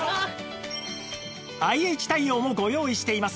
ＩＨ 対応もご用意しています